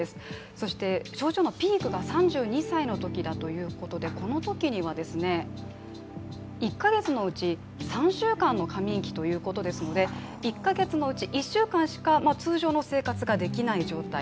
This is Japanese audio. そして症状のピークが３２歳のときだということでこのときには１か月のうち３週間の過眠期ということですので１か月のうち１週間しか通常の生活ができない状態